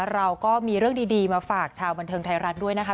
เราก็มีเรื่องดีมาฝากชาวบันเทิงไทยรัฐด้วยนะคะ